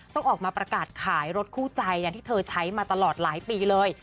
ต้องออกมาประกาศขายรถคู่ใจอย่างที่เธอใช้มาตลอดหลายปีเลย